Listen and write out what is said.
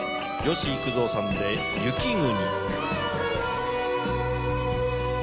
吉幾三さんで『雪國』。